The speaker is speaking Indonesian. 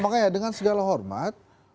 makanya dengan segala hormat